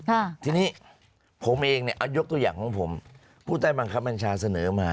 ค่ะทีนี้ผมเองเนี่ยเอายกตัวอย่างของผมผู้ใต้บังคับบัญชาเสนอมา